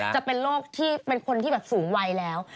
จะเป็นโรคที่เป็นคนที่แบบสูงวัยแล้ว